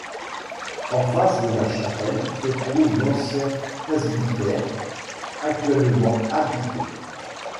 En face de la chapelle, se trouve l'ancien presbytère, actuellement habité.